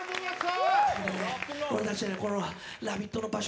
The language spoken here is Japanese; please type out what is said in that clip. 俺たちこの「ラヴィット！」の場所